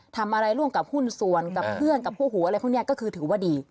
ทำอะไรร่วมกับหุ้นส่วนกับเพื่อนกับพวกหูอะไรพวกนี้ก็คือถือว่าดี